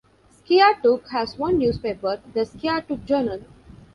Skiatook has one newspaper, the "Skiatook Journal".